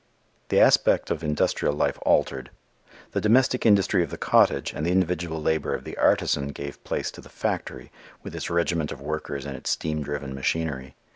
The aspect of industrial life altered. The domestic industry of the cottage and the individual labor of the artisan gave place to the factory with its regiment of workers and its steam driven machinery.